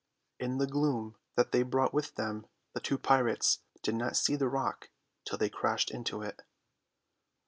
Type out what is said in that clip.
In the gloom that they brought with them the two pirates did not see the rock till they crashed into it.